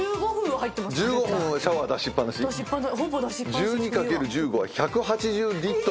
１２×１５は１８０リットル。